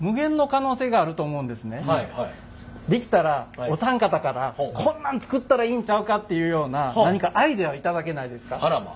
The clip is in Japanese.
できたらお三方からこんなん作ったらいいんちゃうかっていうような何かあらま。